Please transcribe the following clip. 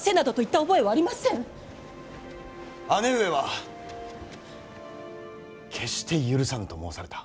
姉上は決して許さぬと申された。